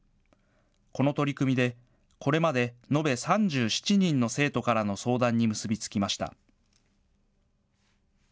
この取り組みで、これまで、延べ３７人の生徒からの相談に結び付きました。